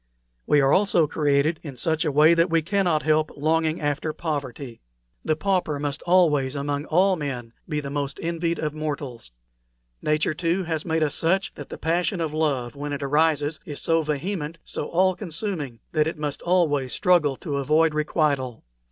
We are also created in such a way that we cannot help longing after poverty. The pauper must always, among all men, be the most envied of mortals. Nature, too, has made us such that the passion of love, when it arises, is so vehement, so all consuming that it must always struggle to avoid requital.